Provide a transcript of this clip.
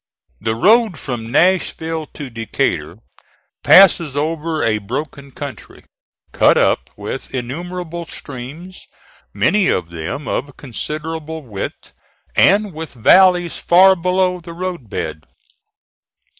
The road from Nashville to Decatur passes over a broken country, cut up with innumerable streams, many of them of considerable width, and with valleys far below the road bed.